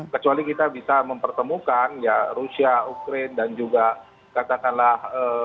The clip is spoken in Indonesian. kecuali kita bisa mempertemukan ya rusia ukraine dan juga katakanlah